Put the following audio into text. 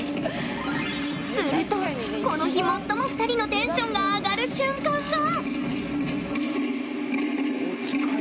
すると、この日最も２人のテンションが上がる瞬間が。